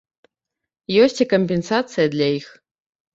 Ёсць і кампенсацыя для іх.